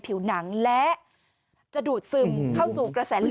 กินให้ดูเลยค่ะว่ามันปลอดภัย